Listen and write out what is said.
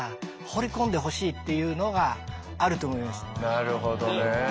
なるほどね。